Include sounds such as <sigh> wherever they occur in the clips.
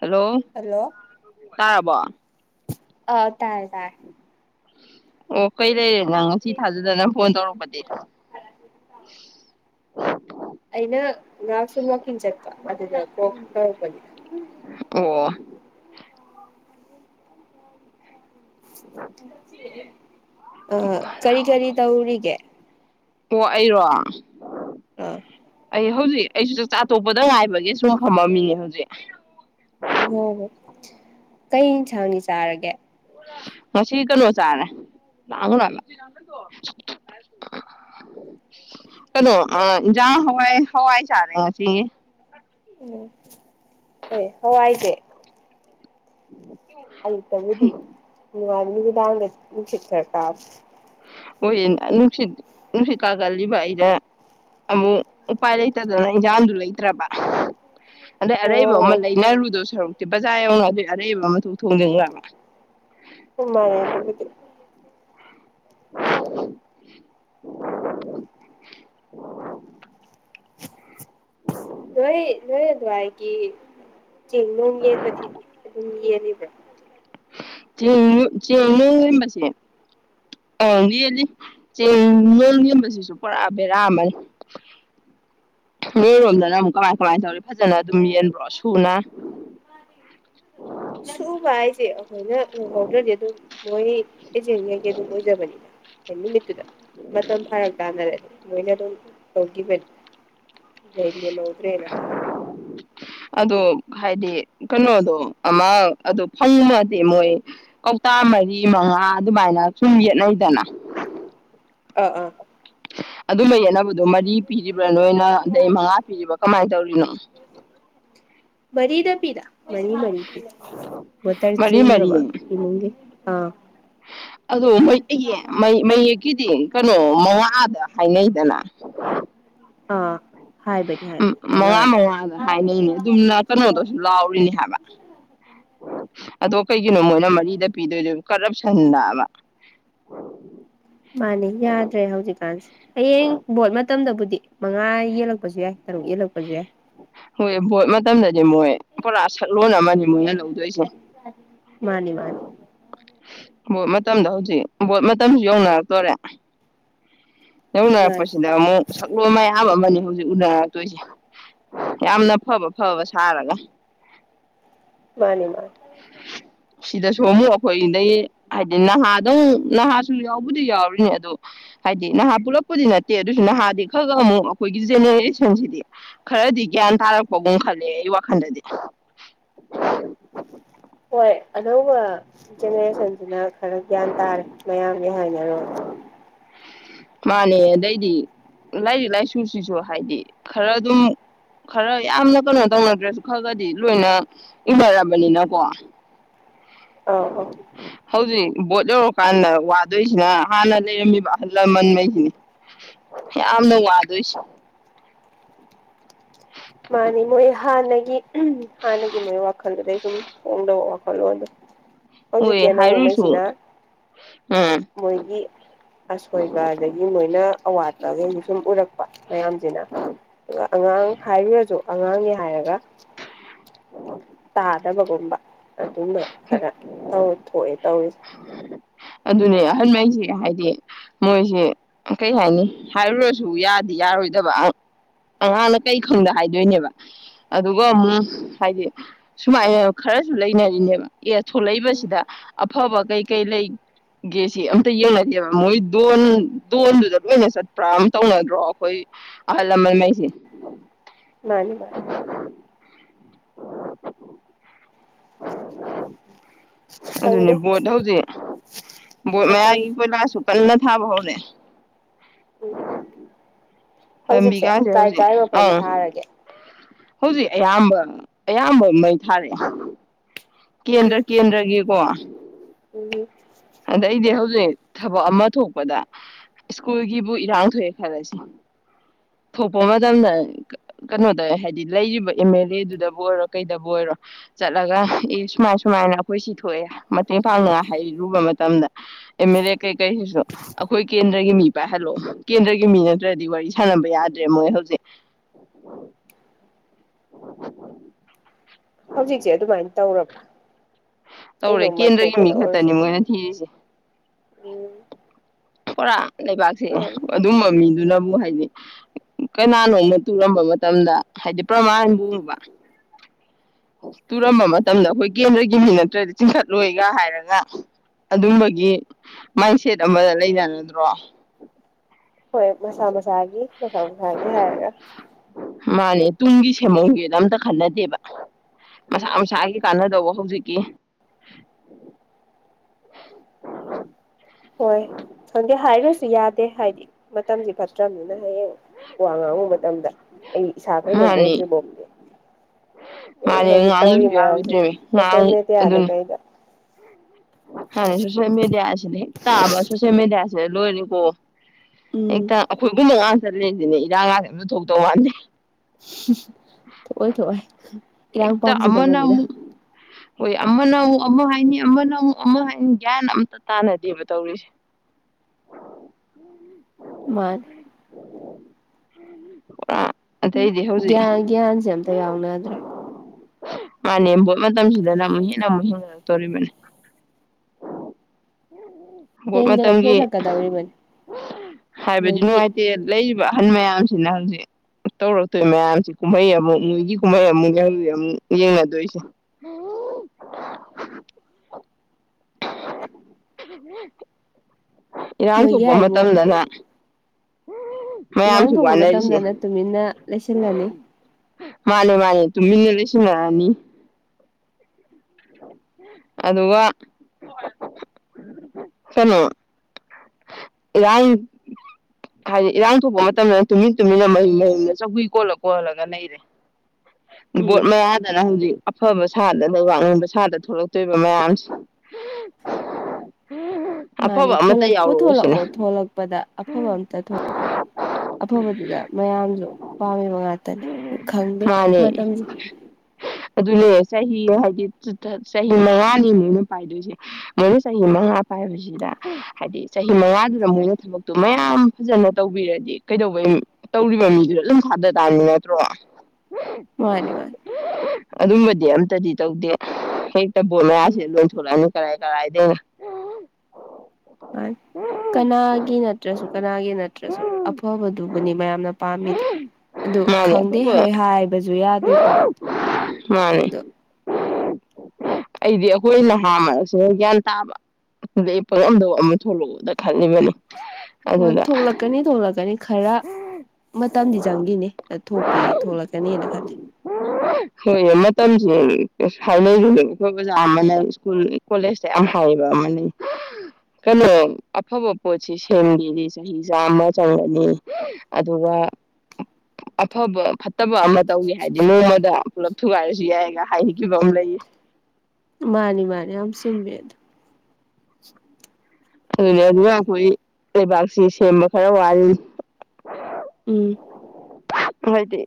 hello ꯇꯥꯔꯕꯣ ꯑ ꯇꯥꯏꯦ ꯇꯥꯏꯦ ꯑꯣ ꯀꯩ ꯂꯩꯔꯦ ꯅꯪ ꯉꯁꯤ ꯊꯥꯖꯗꯅ ꯐꯣꯟ ꯇꯧꯔꯛꯄꯗꯤ ꯑꯩꯅ ꯉꯔꯥꯛ ꯁꯨꯝ ꯋꯥꯋꯀꯤꯡ ꯆꯠꯄ ꯑꯗꯨꯗ ꯀꯩꯅꯣꯝ ꯇꯧꯔꯛꯄꯅꯦ ꯑꯣ ꯑ ꯑꯣ ꯀꯔꯤ ꯀꯔꯤ ꯇꯧꯔꯤꯒꯦ ꯑꯣ ꯑꯩꯔꯣ ꯑꯥ ꯑꯩ ꯍꯧꯖꯤꯛ ꯑꯩꯁꯨ ꯆꯥꯛꯆꯥ ꯇꯣꯛꯄꯗ ꯉꯥꯏꯕꯒꯤ ꯁꯨꯝ ꯐꯝꯃꯝꯃꯤꯅꯦ ꯍꯧꯖꯤꯛ ꯑꯣ ꯍꯣ ꯍꯣ ꯀꯩꯟꯁꯥꯡꯅꯤ ꯆꯥꯔꯒꯦ ꯉꯁꯤ ꯀꯩꯅꯣ ꯆꯥꯔꯦ ꯂ ꯀꯩꯅꯣ ꯏꯟꯖꯥꯡ ꯍꯋꯥꯏ ꯍꯋꯥꯏ ꯆꯥꯔꯦ ꯉꯁꯤꯒꯤ ꯎ ꯍꯣꯏ ꯍꯋꯥꯏꯁꯦ ꯎꯝ ꯑꯩ ꯇꯕꯨꯗꯤ ꯑꯒꯤꯗꯥ ꯂꯩꯁꯤꯔ ꯀꯥ ꯍꯣꯏ ꯅꯨꯡꯁꯤꯠ ꯅꯨꯡꯁꯤꯠ ꯀꯥꯒꯜꯂꯤꯕ ꯑꯩꯅ ꯑꯃꯨꯛ ꯎꯄꯥꯏ ꯂꯩꯇꯗꯅ ꯏꯟꯖꯥꯡꯗꯨ ꯂꯩꯇ꯭ꯔꯕ ꯑꯗꯩ ꯑꯔꯩꯕ ꯑꯃ ꯑꯣ ꯂꯩꯅꯔꯨꯗꯣ ꯁꯔꯨꯛ ꯕꯥꯖꯔ ꯌꯧꯅꯥ ꯑꯔꯩꯕ ꯃꯊꯣꯛ ꯊꯣꯡꯖꯤ ꯂꯥꯛ ꯍꯣ ꯃꯥꯅꯦ ꯑꯗꯨꯕꯨꯗꯤ <unintelligible> ꯅꯣꯏ ꯅꯣꯏ ꯑꯗꯨꯋꯥꯏꯒꯤ ꯆꯦꯡꯅꯨꯡ ꯌꯦꯟꯕꯗꯤ ꯑꯗꯨꯝ ꯌꯦꯜꯂꯤꯕ꯭ꯔꯥ ꯆꯦꯡ ꯆꯦꯡ ꯅꯣꯡ ꯂꯦꯝꯕꯁꯦ ꯑ ꯌꯦꯦꯜꯂꯤ ꯆꯦꯡ ꯅꯨꯡ ꯂꯦꯝꯕꯁꯤꯁꯨ ꯄꯨꯔꯥ ꯕꯦꯔꯥ ꯑꯃꯅꯤ ꯃꯤꯔꯣꯝꯗꯅ ꯑꯃꯨꯛ ꯀꯃꯥꯏ ꯀꯃꯥꯏ ꯇꯧꯔꯤ ꯐꯖꯅ ꯑꯗꯨꯝ ꯌꯦꯟꯕ꯭ꯔꯣ ꯁꯨꯅ ꯁꯨꯕ ꯍꯥꯏꯁꯦ ꯑꯩꯈꯣꯏꯅ ꯂꯨꯍꯧꯗ꯭ꯔꯗꯤ ꯑꯗꯨꯝ ꯃꯣꯏ ꯑꯦꯖꯦꯟꯉꯩꯒꯤ ꯑꯗꯨꯝ ꯑꯣꯏꯖꯕꯅꯤꯅ ꯅꯨꯃꯤꯠꯇꯨꯗ ꯃꯇꯝ ꯐꯥꯔꯛ ꯇꯥꯅꯔꯦꯗꯤ ꯃꯣꯏꯅ ꯑꯗꯨꯝ ꯇꯧꯈꯤꯕꯅꯤꯅ ꯂꯩꯩꯅꯤ ꯃ ꯎꯗ꯭ꯔꯦꯅ ꯍꯥꯏꯔ ꯑꯣ ꯍꯥꯏꯗꯤ ꯀꯩꯅꯣꯗꯣ ꯑꯃ ꯑꯗꯨ ꯐꯪꯃꯗꯤꯦ ꯃꯣꯏ ꯀꯧꯇꯥ ꯃꯔꯤ ꯃꯉꯥ ꯑꯗꯨꯃꯥꯏꯅ ꯁꯨꯝ ꯌꯦꯠꯅꯩꯗꯅ ꯑꯥ ꯑꯥ ꯑꯗꯨ ꯂꯩꯌꯦꯅꯕ ꯃꯔꯤ ꯄꯤꯔꯤꯕ꯭ꯔꯥ ꯅꯣꯏꯅ ꯑꯗꯩ ꯃꯉꯥ ꯄꯤꯔꯤꯕ ꯀꯃꯥꯏꯅ ꯇꯧꯔꯤ <inaudible> ꯃꯔꯤꯗ ꯄꯤꯗ ꯃꯔꯤꯔꯤ ꯄꯤꯗ ꯃꯔꯤ ꯃꯔꯤ ꯃꯔꯁꯤꯕ ꯏꯃꯦ ꯑꯥ ꯑꯗꯣ ꯃ ꯃꯌꯦꯛꯀꯤꯗꯤ ꯀꯩꯅꯣ ꯃꯥꯗ ꯍꯥꯏꯅꯦ ꯏꯗꯅ ꯑꯥ ꯍꯥꯏꯕꯅꯤ ꯎꯝ ꯍꯥꯏꯕꯅꯤ ꯃꯉꯥ ꯃꯉꯥꯅꯤ ꯃꯉꯥꯗ ꯍꯥꯏꯅꯩꯅꯦ ꯑꯗꯨꯝꯅ ꯀꯩꯅꯣꯗꯁꯨ ꯂꯥꯎꯔꯤꯅꯦ ꯍꯥꯏꯕ ꯑꯗꯣ ꯀꯩꯒꯤꯅꯣ ꯃꯣꯏꯅ ꯃꯔꯤꯗ ꯄꯤꯗꯣꯏꯁꯕ ꯀꯔꯞꯁꯟ ꯂꯥꯛꯑꯕ ꯃꯥꯅꯤ ꯌꯥꯗ꯭ꯔꯦ ꯍꯧꯖꯤꯛꯀꯥꯟꯁꯦ ꯍꯌꯦꯡ ꯕꯣꯠ ꯃꯇꯝꯗꯕꯨꯗꯤ ꯃꯉꯥ ꯌꯦꯛꯂꯛꯇ ꯂꯄꯁꯨ ꯌꯥꯏ ꯇꯔꯨꯛ ꯌꯦꯜꯂꯛꯄꯁꯨ ꯌꯥꯏ ꯍꯣꯏ ꯃ ꯃꯇꯝꯗ ꯃꯣꯏ ꯄꯨꯔꯥ ꯁꯛꯂꯣꯟ ꯑꯃꯅꯤꯅꯦ ꯃꯣꯏꯅ ꯂꯧꯗꯣꯏꯁꯦ ꯃꯥꯅꯤ ꯃꯥꯅꯤ ꯕꯣꯠ ꯃꯇꯝꯗ ꯍꯧꯖꯤꯛ ꯕꯣꯠ ꯃꯇꯝꯁꯨ ꯌꯧꯅꯔꯛꯇꯣꯔꯦ ꯃꯥꯅꯤ ꯌꯧꯅꯔꯛꯄꯁꯤꯗ ꯑꯃꯨꯛ ꯁꯛꯂꯣꯟ ꯃꯌꯥꯝ ꯑꯃꯅꯤ ꯍꯧꯖꯤꯛ ꯎꯅꯔꯛꯇꯣꯏꯁꯦ ꯌꯥꯝꯅ ꯐꯕ ꯐꯕ ꯁꯥꯔꯒ ꯃꯥꯅꯦ ꯃꯥꯅꯤ ꯁꯤꯗꯁꯨ ꯑꯃꯨꯛ ꯑꯩꯈꯣꯏꯗꯗꯒꯤ ꯍꯥꯏꯗꯤ ꯅꯍꯥꯗꯪ ꯅꯍꯥꯁꯨ ꯌꯥꯎꯕꯗꯤ ꯌꯥꯎꯔꯤꯅꯤ ꯑꯗꯨ ꯍꯥꯏꯗꯤ ꯅꯍꯥ ꯄꯨꯜꯂꯛꯄꯗꯤ ꯅꯠꯇꯦ ꯑꯗꯨꯁꯨ ꯅꯍꯥꯗꯤ ꯈꯔ ꯈ ꯑꯃꯨꯛ ꯑꯩꯈꯣꯏꯒꯤ ꯖꯦꯅꯦꯔꯦꯁꯟꯁꯤꯗꯤ ꯈꯔꯗꯤ ꯒ꯭ꯌꯥꯟ ꯇꯥꯔꯛꯄꯒꯨꯝ ꯈꯜꯂꯦ ꯑꯩ ꯋꯥꯈꯜꯗꯗꯤ ꯍꯣꯏ ꯑꯅꯧꯕ ꯖꯦꯅꯦꯔꯦꯁꯟꯁꯤꯅ ꯈꯔ ꯒ꯭ꯌꯥꯟ ꯇꯥꯔꯦ ꯃꯌꯥꯝꯒꯤ ꯍꯥꯏꯅꯔꯣꯏ ꯃꯥꯅꯦ ꯑꯗꯩꯗꯤ ꯂꯥꯏꯔꯤꯛ ꯂꯥꯏꯁꯨꯁꯤꯁꯨ ꯍꯥꯏꯗꯤ ꯈꯔ ꯑꯗꯨꯝ ꯈꯔ ꯌꯥꯝꯅ ꯀꯩꯅꯣ ꯇꯧꯅꯗ꯭ꯔꯁꯨ ꯈꯔꯒꯗꯤ ꯂꯣꯏꯅ ꯏꯅꯔꯕꯅꯤꯅꯀꯣ ꯑ ꯑ ꯍꯧꯖꯤꯛ ꯕꯣꯠ ꯌꯔꯀꯥꯟꯗ ꯋꯥꯗꯣꯏꯁꯤꯅ ꯍꯥꯟꯅ ꯂꯩꯔꯝꯃꯤꯕ ꯑꯍꯜ ꯂꯃꯟꯉꯩꯁꯤꯅꯤ ꯌꯥꯝꯅ ꯋꯥꯗꯣꯏꯁꯤ ꯃꯥꯅꯤ ꯃꯣꯏ ꯍꯥꯟꯅꯒꯤ ꯍꯥꯟꯅꯒꯤ ꯃꯣꯏ ꯋꯥꯈꯜꯗꯨꯗꯩ ꯁꯨꯝ ꯐꯣꯡꯗꯣꯛꯑꯣ ꯍꯜꯋꯥ ꯑꯗꯨ ꯍꯧꯖꯤꯛꯀꯤ ꯍꯣꯏ ꯍꯥꯏꯔꯨꯁꯨ ꯑꯅꯧꯕꯉꯩꯁꯤꯅ ꯎꯝ ꯃꯣꯏꯒꯤ ꯑꯁꯣꯏꯕ ꯑꯗꯒꯤ ꯃꯣꯏꯅ ꯑꯋꯥꯠꯄꯈꯩꯁ ꯁꯨꯝ ꯎꯔꯛꯄ ꯃꯌꯥꯝꯁꯤꯅ ꯑꯗꯨꯒ ꯑꯉꯥꯡ ꯁꯨ ꯑꯉꯥꯡꯅꯦ ꯍꯥꯏꯔꯒ ꯁꯥꯥꯗꯕꯒꯨꯝꯕ ꯑꯗꯨꯃ ꯈꯔ ꯇꯧꯔ ꯊꯣꯛꯣꯛꯑꯦ ꯇꯧꯏꯤ ꯑꯗꯨꯅꯦ ꯑꯍꯟꯈꯩꯁꯤꯦ ꯍꯥꯏꯗꯤ ꯃꯣꯏꯁꯤꯦ ꯀꯩ ꯍꯥꯏꯅꯤ ꯍꯥꯏꯔꯨꯔꯁꯨ ꯌꯥꯗꯤ ꯌꯥꯔꯣꯏꯗꯕ ꯑꯉꯥꯡꯅ ꯀꯔꯤ ꯈꯪꯗ ꯍꯥꯏꯗꯣꯏꯅꯦꯕ ꯑꯗꯨꯒ ꯑꯃꯨꯛ ꯍꯥꯏꯗꯤ ꯁꯨꯃꯥꯏꯅ ꯈꯔꯁꯨ ꯂꯩꯅꯔꯤꯅꯦꯕ ꯑꯦ ꯎꯝ ꯊꯣꯛꯂꯛꯏꯕꯁꯤꯗ ꯑꯐꯕ ꯀꯩꯀꯩ ꯂꯩꯒꯦꯁꯤ ꯑꯝꯇ ꯌꯦꯡꯅꯗꯦꯕ ꯃꯣꯏ ꯗꯣꯟ ꯗꯣꯟꯗꯨꯗ ꯂꯣꯏꯅ ꯆꯠꯄ꯭ꯔꯥ ꯑꯝ ꯇꯧꯅꯗ꯭ꯔꯣ ꯑꯩꯈꯣꯏ ꯑꯍꯜ ꯂꯃꯟꯉꯩꯁꯦ ꯃꯥꯅꯤ ꯃꯥꯅꯤ <inaudible> ꯑꯗꯨꯅꯦ ꯈꯪꯗꯦ ꯕꯣꯠ ꯍꯧꯖꯤꯛ ꯕꯣꯠ ꯃꯇꯝ ꯃꯌꯥꯏꯒꯤ ꯀꯣꯏꯂꯥꯁꯨ ꯀꯟꯅ ꯍꯥꯕꯥꯎꯅꯦ ꯎꯝ ꯍꯧꯖꯤꯛꯁꯦ ꯂꯝꯕꯤꯒꯁꯦ ꯀꯥꯏ ꯍꯧꯖꯤꯛ ꯀꯥꯏ ꯃꯐꯝ ꯑꯪ ꯊꯥꯔꯒꯦ ꯍꯧꯖꯤꯛ ꯑꯌꯥꯝꯕ ꯑꯌꯥꯝꯕ ꯃꯩ ꯊꯥꯔꯛꯑꯦ ꯎꯝꯍꯨꯝ ꯀꯦꯟꯗ꯭ꯔ ꯀꯦꯟꯗ꯭ꯔꯒꯤꯀꯣ ꯎꯝꯍꯨꯝ ꯑꯗꯩꯗꯤ ꯍꯧꯖꯤꯛ ꯊꯕꯛ ꯑꯃ ꯊꯣꯛꯄꯗ ꯁ꯭ꯀꯨꯜꯒꯤꯕꯨ ꯏꯔꯥꯡ ꯊꯣꯛꯑꯦ ꯈꯜꯂꯁꯤ ꯊꯣꯛꯄ ꯃꯇꯝꯗ ꯀꯩꯅꯣꯗ ꯍꯥꯏꯗꯤ ꯂꯩꯔꯤꯕ ꯑꯦꯝ ꯑꯦꯜ ꯑꯦꯗꯨꯗꯕꯨ ꯑꯣꯏꯔꯣ ꯀꯩꯗꯕꯨ ꯑꯣꯏꯔꯣ ꯆꯠꯂꯒ ꯁꯨꯃꯥꯏ ꯁꯨꯃꯥꯏꯅ ꯑꯩꯈꯣꯏ ꯁꯤꯊ ꯊꯣꯛꯑꯦ ꯃꯇꯦꯡ ꯄꯥꯡꯅꯉꯥꯏ ꯍꯥꯏꯔꯨꯕ ꯃꯇꯝꯗ ꯑꯦꯝ ꯑꯦꯜ ꯑꯦ ꯀꯩꯀꯩꯁꯤꯁꯨ ꯑꯩꯈꯣꯏ ꯀꯦꯟꯗ꯭ꯔꯒꯤ ꯃꯤ ꯄꯥꯏꯍꯜꯂꯑꯣ ꯀꯦꯟꯗ꯭ꯔꯒꯤ ꯃꯤ ꯅꯠꯇ꯭ꯔꯗꯤ ꯋꯥꯔꯤ ꯁꯥꯟꯅꯕ ꯌꯥꯗ꯭ꯔꯦ ꯃꯣꯏ ꯍꯧꯖꯤꯛ ꯍꯧꯖꯤꯛꯁꯦ ꯑꯗꯨꯃꯥꯏꯅ ꯇꯧꯔꯕ꯭ꯔ ꯇꯧꯔꯦ ꯀꯦꯟꯗ꯭ꯔꯒꯤ ꯃꯤ ꯈꯛꯇꯅꯤ ꯃꯣꯏꯅ ꯊꯤꯔꯤꯁꯦ ꯎꯝ ꯊꯣꯔꯥ ꯂꯩꯕꯥꯛꯁꯦ ꯃꯥꯅꯤ ꯑꯗꯨꯝꯕ ꯃꯤꯗꯨꯅ ꯍꯥꯏꯗꯤ ꯀꯅꯥꯅꯣꯅ ꯇꯨꯔꯝꯕ ꯃꯇꯝꯗ ꯍꯥꯏꯗꯤ ꯄ꯭ꯔꯃꯥꯟꯕꯨꯕ ꯇꯨꯔꯝꯕ ꯃꯇꯝꯗ ꯑꯩꯈꯣꯏ ꯀꯦꯟꯗ꯭ꯔꯒꯤ ꯃꯤ ꯅꯠꯇ꯭ꯔꯗꯤ ꯆꯤꯡꯈꯠꯂꯣꯏꯒ ꯍꯥꯏꯔꯒ ꯑꯗꯨꯝꯕꯒꯤ ꯃꯥꯏꯟꯁꯦꯠ ꯑꯃꯗ ꯂꯩꯅꯔꯗ꯭ꯔꯣ ꯍꯣꯏ ꯃꯁꯥ ꯃꯁꯥꯒꯤ ꯃꯁꯥ ꯃꯁꯥꯒꯤ ꯍꯥꯏꯔꯒ ꯃꯥꯅꯦ ꯇꯨꯡꯒꯤ ꯁꯦꯃꯣꯡꯒꯤꯅ ꯑꯝꯇ ꯈꯟꯅꯗꯦꯕ ꯎꯝ ꯃꯁꯒꯤ ꯀꯥꯟꯅꯗꯕꯣ ꯍꯧꯖꯤꯛꯀꯤ ꯍꯣꯏ ꯈꯪꯗꯦ ꯍꯥꯏꯔꯁꯨ ꯌꯥꯗꯦ ꯍꯥꯏꯗꯤ ꯃꯇꯝꯁꯤ ꯆꯠꯇ꯭ꯔꯅꯤꯅ ꯍꯌꯦꯡ ꯋꯥ ꯉꯥꯡꯨ ꯃꯇꯝꯗ ꯑꯩ ꯏꯁꯥ ꯀꯩꯅꯣꯝ ꯃꯥꯅꯤ ꯑꯣꯏꯗ꯭ꯔꯤꯔꯤꯕꯥꯎꯗꯤ ꯑꯩꯣꯏ ꯃꯥꯅꯦ ꯍꯧꯖꯤꯛ ꯇꯧꯔꯤ ꯉꯥꯡꯗꯁꯨ ꯃꯌꯥꯝꯁꯦ ꯌꯥꯔꯣꯏꯗ꯭ꯔꯦꯃꯤ ꯁꯣꯁꯦꯜ ꯉꯥꯡ ꯃꯦꯗꯤꯌꯥꯗ ꯀꯩꯗ ꯍꯥꯏꯥꯟ ꯁꯣꯁꯦꯜ ꯃꯦꯗꯤꯌꯥꯁꯤꯗ ꯍꯦꯛ ꯇꯥꯕ ꯁꯣꯁꯦꯜ ꯃꯦꯗꯤꯌꯥꯁꯤꯗ ꯂꯣꯏꯔꯅꯤꯀꯣ ꯎꯝ ꯑꯦꯛꯇ ꯑꯩꯈꯣꯏꯕꯨ ꯅꯅꯨꯡꯉ ꯦꯟꯁꯤꯅꯦ ꯏꯔꯥꯡ ꯉꯥꯁꯦ ꯌꯥꯝ ꯂꯧ ꯊꯣꯛꯇꯧ ꯋꯥꯅꯤꯦ ꯑꯣꯏꯏ ꯊꯣꯛ ꯑꯣꯏꯏ ꯀꯔꯝ ꯍꯦꯛꯇ ꯑꯃꯅ ꯄꯥꯝꯁꯗꯅꯤꯗ ꯑꯃꯨꯛ ꯍꯣꯏ ꯑꯃꯅ ꯑꯃꯨꯛ ꯑꯃ ꯍꯥꯏꯅꯤ ꯑꯃꯅ ꯑꯃꯨꯛ ꯑꯃ ꯍꯥꯏꯅꯤ ꯒ꯭ꯌꯥꯟ ꯑꯝꯇ ꯇꯥꯅꯗꯦꯕ ꯇꯧꯔꯤꯁꯦ ꯃꯔꯅꯤ ꯑ ꯒ꯭ꯌꯥꯟ ꯒ꯭ꯌꯥꯟꯁꯦ ꯑꯝꯇ ꯌꯥꯎꯅꯗ꯭ꯔꯥ ꯃꯥꯅꯦꯕꯣꯠ ꯃꯇꯝꯁꯤꯗꯅ ꯑꯃꯨꯛ ꯍꯦꯟꯅ ꯑꯃꯨꯛ ꯍꯦꯟꯒꯠꯂꯛꯇꯣꯔꯤꯕꯅꯤ ꯍꯧꯣꯠ ꯃꯇꯝꯒꯤ ꯍꯦꯜꯂꯛꯀꯗꯧꯔꯤꯕꯅꯤ ꯍꯥꯏꯕꯗꯤ ꯃꯣꯏꯒꯤ ꯅꯨꯡꯉꯥꯏꯇꯦ ꯂꯩꯔꯤꯕ ꯑꯍꯟ ꯃꯌꯥꯝ ꯁꯤꯅ ꯍꯧꯪꯖꯤꯛ ꯇꯧꯔꯛꯇꯣꯏ ꯃꯌꯥꯝꯁꯤ ꯀꯨꯝꯍꯩ ꯑꯃꯨꯛ ꯃꯣꯏꯒꯤ ꯀꯨꯝꯍꯩ ꯑꯃꯨꯛ ꯌꯥꯝ ꯌꯦꯡꯅꯗꯣꯏꯁꯦ <inaudible> ꯏꯔꯥꯡ ꯃꯣꯏꯒꯤ ꯊꯣꯛꯄ ꯍꯥꯏꯕꯨ ꯃꯇꯝꯗꯅ ꯏꯔꯥꯡ ꯃꯌꯥꯝꯁꯨ ꯊꯣꯛꯄ ꯋꯥꯅꯔꯤꯁꯦ ꯃꯇꯝꯗꯅ ꯇꯨꯃꯤꯟꯅ ꯂꯩꯁꯤꯜꯂꯅꯤ ꯇꯨꯃꯤꯃꯤ ꯅ ꯂꯩꯁꯤꯃꯅꯤ ꯑꯗꯨꯒ ꯁꯅꯣ ꯏꯔꯥꯡ ꯍꯥꯏꯗꯤ ꯏꯔꯥꯡ ꯊꯣꯛꯄ ꯃꯇꯝꯗ ꯇꯨꯃꯤꯟ ꯇꯨꯃꯤꯟꯅ ꯃꯌꯨꯝ ꯃꯍꯌꯨꯝꯗ ꯆꯧꯀꯤꯨ ꯀꯣꯜꯂ ꯀꯣꯜꯂꯒ ꯂꯩꯔꯦ ꯕꯣꯠ ꯎꯝ ꯃꯌꯥꯗꯅ ꯍꯧꯖꯤꯛ ꯑꯐꯕ ꯁꯥꯗꯅ ꯋꯥꯥ ꯉꯥꯛꯄ ꯁꯥꯗꯅ ꯊꯣꯛꯂꯛꯇꯣꯏꯕ ꯃꯌꯥꯝꯁꯦ ꯃꯥꯅꯤ ꯑꯐꯕ ꯑꯃꯠꯇ ꯊꯣꯂꯛ ꯌꯥꯎꯔꯛꯑꯣ ꯄꯨꯊꯣꯂꯛꯑꯣ ꯁꯤꯅꯦ ꯊꯣꯛꯣꯂꯛꯄꯗ ꯑꯐꯕ ꯑꯝꯇ ꯊꯣꯛꯂꯛꯑꯣ ꯑꯐꯕꯗꯨꯗ ꯃꯌꯥꯝꯁꯨ ꯄꯥꯝꯃꯤꯕ ꯉꯇꯅꯤ ꯈꯪꯗꯦ ꯃꯥꯅꯦ ꯃꯇꯝꯁꯦ ꯑꯗꯨꯅꯦ ꯆꯍꯤ ꯍꯥꯏꯗꯤ ꯆꯍꯤ ꯃꯉꯥꯅꯤ ꯅꯣꯏꯅ ꯄꯥꯏꯗꯣꯏꯁꯦ ꯃꯣꯏꯅ ꯆꯍꯤ ꯃꯉꯥ ꯄꯥꯏꯕꯁꯤꯗ ꯍꯥꯏꯗꯤ ꯆꯍꯤ ꯃꯉꯥꯗꯨꯗ ꯃꯣꯏꯅ ꯊꯕꯛꯇꯣ ꯃꯌꯥꯝ ꯐꯖꯅ ꯇꯧꯕꯤꯔꯗꯤ ꯀꯩꯗꯧꯕꯩ ꯇꯧꯔꯤꯕ ꯃꯤꯗꯨꯗ ꯑꯗꯨꯨꯝ ꯊꯥꯗ ꯇꯥꯅꯤ ꯅꯠꯇ꯭ꯔꯣ ꯃꯥꯅꯤ ꯃꯥꯅꯤ ꯑꯗꯨꯝꯕꯗꯤ ꯑꯝꯇꯗꯤ ꯇꯧꯗꯦ ꯍ ꯎꯝ <unintelligible> ꯗ <unintelligible> ꯀꯅꯥꯒꯤ ꯅꯠꯇ꯭ꯔꯁꯨ ꯀꯅꯥꯒꯤ ꯅꯠꯇ꯭ꯔꯁꯨ ꯑꯐꯕꯗꯨꯕꯨꯅꯤ ꯃꯌꯥꯝꯅ ꯄꯥꯝꯃꯤꯗꯤ ꯑꯗꯨ ꯃꯥꯅꯦ ꯈꯪꯗꯦ ꯑꯐꯕ ꯍꯣꯏ ꯍꯥꯏꯕꯁꯨ ꯌꯥꯗꯦꯀꯣ ꯃꯥꯅꯦ ꯑꯗꯣ ꯑꯩꯗꯤ ꯑꯩꯈꯣꯏ ꯅꯍꯥ ꯃꯔꯁꯤꯅ ꯒ꯭ꯌꯥꯟ ꯇꯥꯕ ꯑꯗꯩ ꯄꯪꯂꯝꯗꯕ ꯑꯃ ꯊꯣꯛꯂꯛꯎꯗ ꯈꯜꯂꯤꯕꯅꯤ ꯑꯣ ꯑꯗꯨꯗ ꯊꯣꯛꯂꯛꯀꯅꯤ ꯊꯣꯛꯂꯛꯀꯅꯤ ꯈ ꯈꯔ ꯃꯇꯝꯗꯤ ꯆꯪꯈꯤꯅꯦ ꯊꯣꯛꯇꯤ ꯊꯣꯛꯂꯛꯀꯅꯤꯅ ꯈꯂꯦ ꯍꯣꯏ ꯃꯇꯝꯁꯦ ꯍꯥꯏꯅꯔꯤꯅꯦ ꯑꯩꯈꯣꯏ ꯑꯣꯖꯥ ꯑꯃꯅ ꯁ꯭ꯀꯨꯜ ꯀꯣꯂꯦꯖꯇ ꯌꯥꯝ ꯍꯥꯏꯌꯦꯕ ꯑꯃꯅ ꯀꯩꯅꯣ ꯑꯐꯕ ꯄꯣꯠꯁꯤ ꯁꯦꯝꯒꯦꯗꯤ ꯆꯍꯤ ꯆꯥꯃ ꯆꯪꯒꯅꯤ ꯑꯗꯨꯒ ꯑꯐꯕ ꯐꯠꯇꯕ ꯑꯃ ꯇꯧꯋ ꯍꯥꯏꯗꯤ ꯅꯣꯡꯃꯗ ꯄꯨꯂꯞ ꯊꯨꯒꯥꯏꯔꯁꯨ ꯌꯥꯏꯒ ꯍꯥꯏ ꯈꯤꯕ ꯑꯃ ꯂꯩ ꯃꯥꯅꯤ ꯃꯥꯅꯤ ꯌꯥꯝ ꯆꯨꯝꯃꯦ ꯑꯗꯨ ꯑꯗꯨꯅꯤ ꯑꯗꯨꯅ ꯑꯩꯈꯣꯏ ꯂꯩꯕꯥꯛꯁꯤ ꯁꯦꯝꯕ ꯈꯔ ꯋꯥꯔꯤ ꯎꯝ ꯍꯥꯏꯗꯤ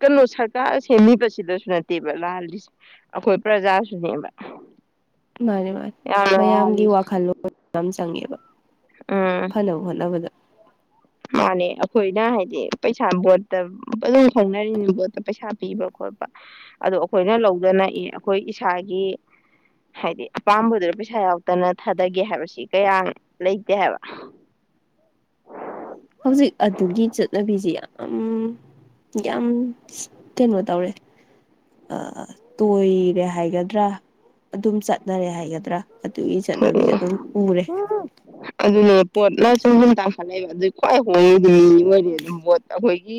ꯀꯩꯅꯣ ꯁꯔꯀꯥꯔ ꯁꯦꯝꯃꯤꯕꯁꯤꯗꯁꯨ ꯅꯠꯇꯦꯕ ꯂꯥꯜꯂꯤꯁꯦ ꯑꯩꯈꯣꯏ ꯄ꯭ꯔꯖꯥꯁꯨꯅꯦꯕ ꯃꯥꯅꯤ ꯃꯥꯅꯤ ꯌꯥꯝꯅ ꯃꯌꯥꯝꯒꯤ ꯂꯥꯜꯂꯤꯁꯦ ꯋꯥꯈꯜꯂꯣꯟ ꯌꯥꯝ ꯆꯪꯉꯦꯕ ꯎꯝ ꯐꯥꯅꯕ ꯍꯣꯠꯅꯕꯗ ꯃꯥꯅꯦ ꯑꯩꯈꯣꯏꯅ ꯍꯥꯏꯗꯤ ꯄꯩꯁꯥ ꯕꯣꯠꯇ ꯑꯗꯨ ꯑꯗꯨꯝ ꯈꯪꯅꯔꯤꯅꯤ ꯕꯣꯠꯇ ꯄꯩꯁꯥ ꯄꯤꯕ ꯈꯣꯠꯄ ꯑꯗꯣ ꯑꯩꯈꯣꯏꯅ ꯂꯧꯗꯅ ꯏ ꯑꯩꯈꯣꯏ ꯏꯁꯥꯒꯤ ꯍꯥꯏꯗꯤ ꯑꯄꯥꯝꯕꯗꯨꯗ ꯄꯩꯁꯥ ꯌꯥꯎꯗꯅ ꯊꯥꯗꯒꯦ ꯍꯥꯏꯕꯁꯤ ꯀꯌꯥ ꯂꯩꯇꯦ ꯍꯥꯏꯕ ꯍꯧꯖꯤꯛ ꯑꯗꯨꯒꯤ ꯆꯠꯅꯕꯤꯁꯤ ꯌꯥꯝ ꯌꯥꯝ ꯀꯩꯅꯣ ꯇꯧꯔꯦ ꯑꯥ ꯇꯣꯏꯔꯦ ꯍꯥꯏꯒꯗ꯭ꯔꯥ ꯑꯗꯨꯝ ꯆꯠ ꯆꯅꯔꯦ ꯍꯥꯏꯒꯗ꯭ꯔꯥ ꯑꯗꯨꯒꯤ ꯆꯠꯅꯕꯤꯖꯦ ꯑꯗꯨꯝ ꯎꯔꯦ ꯑꯗꯨꯅ ꯄꯣꯠꯅ ꯁꯨꯝ ꯁꯨꯝ ꯇꯥꯡꯈꯠꯅꯩꯑꯕ ꯑꯗꯨꯗꯤ ꯈ꯭ꯋꯥꯏ ꯍꯣꯡꯉꯤꯗꯤ ꯃꯤ ꯑꯣꯏꯔꯤ ꯑꯗꯨꯝ ꯄꯣꯠ ꯑꯩꯈꯣꯏꯒꯤ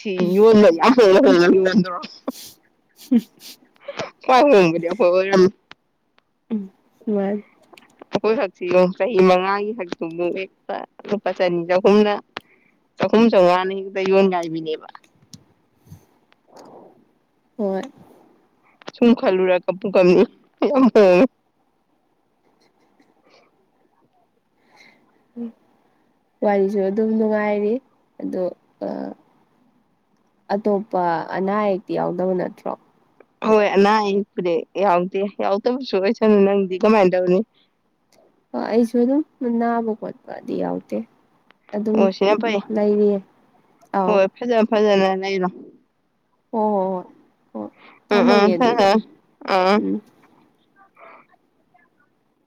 ꯁꯤ ꯎꯝ ꯌꯣꯟꯕ ꯌꯥꯝ ꯍꯣꯡꯅ ꯍꯣꯡꯅ ꯌꯣꯟꯗꯔꯣ ꯈꯋ꯭ꯥꯏ ꯍꯣꯡꯅ ꯑꯩꯈꯣꯏ ꯑꯣꯢꯔꯝ ꯎꯝ ꯃꯥ ꯛꯁꯤ ꯆꯍꯤ ꯃꯉꯥꯒꯤ ꯍꯛꯇꯨ ꯍꯦꯛꯇ ꯂꯨꯄꯥ ꯆꯅꯤ ꯆꯍꯨꯝꯗ ꯆꯍꯨꯝ ꯆꯥꯃꯉꯥꯅ ꯍꯦꯛꯇ ꯌꯣꯟ ꯉꯥꯏꯕꯤꯅꯦꯕ ꯍ ꯁꯨ ꯈꯂꯨ ꯔ ꯀꯝꯄꯨ ꯀꯝꯅꯤ ꯋꯥꯔꯤꯁꯨ ꯑꯗꯨꯝ ꯅꯨꯡꯉꯥꯏꯔꯤ ꯑꯣ ꯑꯇꯣꯞꯄ ꯑꯅꯥ ꯑꯌꯦꯛꯇꯤ ꯌꯥꯎꯗꯕ ꯅꯠꯇ꯭ꯔꯣ ꯍꯣꯏ ꯑꯅꯥ ꯑꯌꯦꯛꯄꯨꯗꯤ ꯌꯥꯎꯗꯦ ꯌꯥꯎꯗꯕꯁꯨ ꯑꯣꯏꯁꯅꯨ ꯅꯪꯗꯤ ꯀꯃꯥꯏꯅ ꯇꯧꯅꯤ ꯑꯩꯁꯨꯅꯟꯅꯅꯥꯕ ꯀꯣꯠꯗꯤ ꯌꯥꯇ ꯑꯗꯨꯝ ꯑꯣ ꯁꯤꯅ ꯐꯩ ꯂꯩꯔꯤꯌꯦ ꯑꯥꯎ ꯐꯖꯂꯅ ꯏꯗ ꯍꯣꯏ ꯍꯣꯏ ꯍꯣꯏ ꯍꯣꯏ ꯎꯝ ꯎꯝ ꯊꯝꯃꯒꯦ ꯈꯔ ꯑꯗꯨꯗꯤ ꯈꯔ ꯑꯥ ꯎꯝ